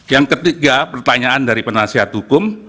yang ketiga pertanyaan dari penasihat hukum